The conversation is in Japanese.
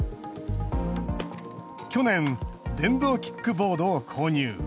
去年電動キックボードを購入。